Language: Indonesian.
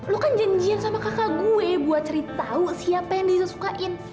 lu kan janjian sama kakak gue buat cerita siapa yang dia sukain